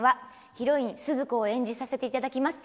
ヒロインスズ子を演じさせていただきます